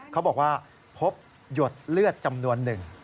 เขาบอกว่าพบหยดเลือดจำนวนหนึ่ง